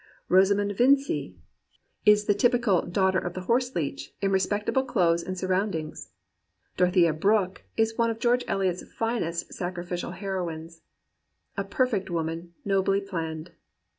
Rosamund Vincy is the typical 147 COMPANIONABLE BOOKS "daughter of the horse leech" in respectable clothes and surroundings. Dorothea Brooke is one of George Eliot's finest sacrificial heroines: "A perfect woman, nobly plann'd."